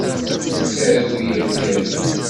Nettargu yir tirga.